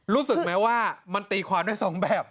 รู้สึกไหมว่ามันตีความได้สองแบบ